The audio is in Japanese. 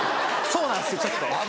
そうなんですよちょっと。